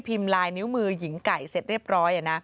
ลายนิ้วมือหญิงไก่เสร็จเรียบร้อย